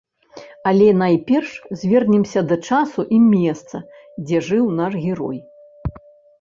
Але найперш звернемся да часу і месца, дзе жыў наш герой.